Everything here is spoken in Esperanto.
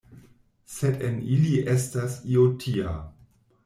Sed en ili estas io tia!